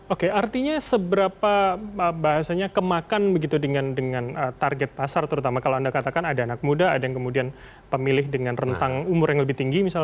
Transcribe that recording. oke artinya seberapa bahasanya kemakan begitu dengan target pasar terutama kalau anda katakan ada anak muda ada yang kemudian pemilih dengan rentang umur yang lebih tinggi misalnya